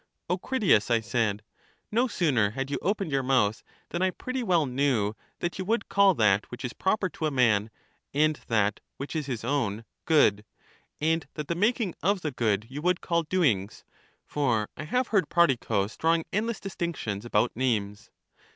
0 Critias, I said, no sooner had you opened your mouth, than I pretty well knew that you would call that which is proper to a man, and that which is his own, good; and that the making of the good you would call doings, for I have heard Prodicus drawing endless distinctions about names.